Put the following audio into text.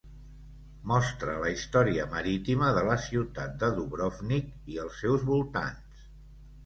Mostra la història marítima de la ciutat de Dubrovnik i els seus voltants.